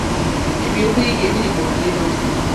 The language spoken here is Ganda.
Ebyokuyiga ebiri mu lugero